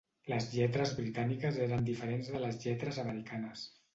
Les lletres britàniques eren diferents de les lletres americanes.